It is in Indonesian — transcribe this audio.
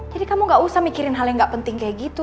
jadi kamu gak usah mikirin hal yang gak penting kayak gitu